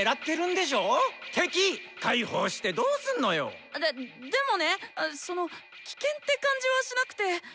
でっでもねそのっ「危険」って感じはしなくて。